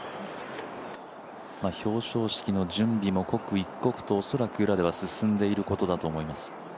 表彰式の準備も刻一刻と恐らく裏では進んでいることだと思います。